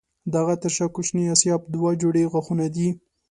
د هغه تر شا کوچني آسیاب دوه جوړې غاښونه دي.